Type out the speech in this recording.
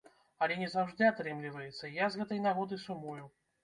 Але не заўжды атрымліваецца, і я з гэтай нагоды сумую.